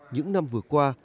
những năm vừa qua